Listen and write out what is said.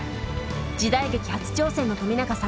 時代劇初挑戦の冨永さん。